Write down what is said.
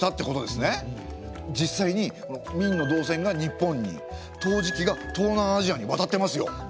実際に明の銅銭が日本に陶磁器が東南アジアに渡ってますよ！